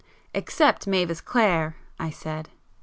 '" "Except—Mavis Clare!" I said.